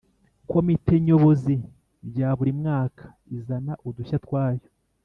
Komite Nyobozi bya buri mwaka izana udushya twayo